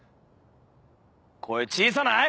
声小さない？